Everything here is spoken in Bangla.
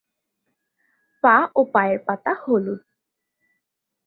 পা ও পায়ের পাতা হলুদ।